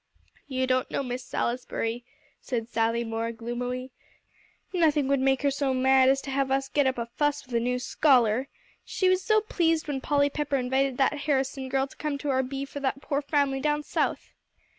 "You don't know Miss Salisbury," said Sally Moore gloomily; "nothing would make her so mad as to have us get up a fuss with a new scholar. She was so pleased when Polly Pepper invited that Harrison girl to come to our bee for that poor family down South."